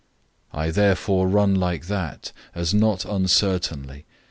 009:026 I therefore run like that, as not uncertainly.